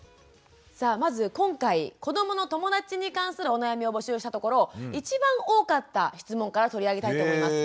さあまず今回子どもの友だちに関するお悩みを募集したところ一番多かった質問から取り上げたいと思います。